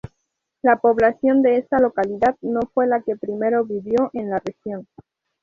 La población de esta localidad no fue la que primero vivió en la región.